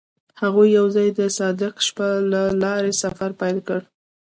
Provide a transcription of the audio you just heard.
هغوی یوځای د صادق شپه له لارې سفر پیل کړ.